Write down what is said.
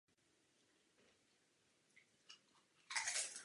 Děj seriálu se z velké části odehrává v Západním křídle Bílého domu.